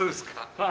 はい。